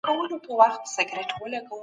د ارغنداب سیند د خلکو روحیې قوي کوي.